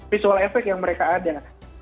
visual efek yang mereka ada